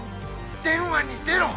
電話に出ろ！